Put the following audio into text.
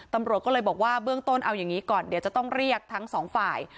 ตำรวจก็เลยบอกว่าเบื้องต้นเอาอย่างนี้ก่อนเดี๋ยวจะต้องเรียกทั้งสองฝ่าย